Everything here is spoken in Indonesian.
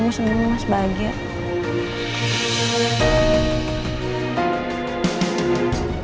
kamu tetap ingin membuat saya tersenyum